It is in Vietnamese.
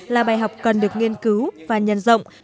là bài học cần được nghiên cứu và nhân rộng